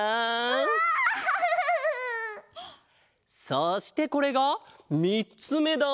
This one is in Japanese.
そしてこれがみっつめだ。